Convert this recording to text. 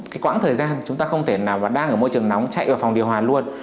cái quãng thời gian chúng ta không thể nào mà đang ở môi trường nóng chạy vào phòng điều hòa luôn